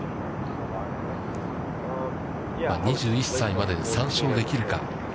２１歳までに３勝できるか。